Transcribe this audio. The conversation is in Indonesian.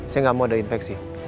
saya nggak mau ada infeksi